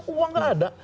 uang gak ada